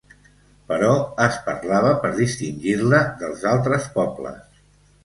Però es parlava per distingir-la dels altres pobles.